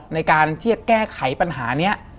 ในการที่จะแก้ไขปัญหานี้